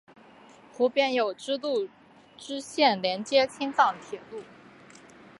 湖边有铁路支线连接青藏铁路。